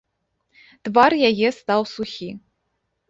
Твар яе стаў сухі.